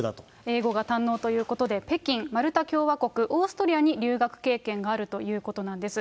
英語が堪能ということで、北京、マルタ共和国、オーストリアに留学経験があるということなんです。